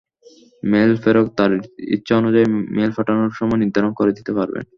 Mail প্রেরক তাঁর ইচ্ছানুযায়ী মেইল পাঠানোর সময় নির্ধারণ করে দিতে পারবেন।